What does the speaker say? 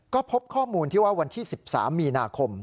ก็พบข้อมูลว่าวัน๑๓มีนาคม